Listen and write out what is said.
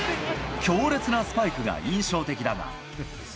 強烈なスパイクが印象的だが。